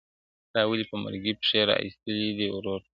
• تا ولي په مرګي پښې را ایستلي دي وه ورور ته.